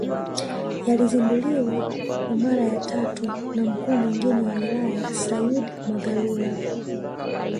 Yalizinduliwa kwa mara ya tatu na mkuu mwingine wa wilaya Said Magalula